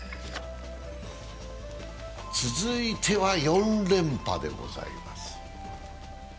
続いては４連覇でございます。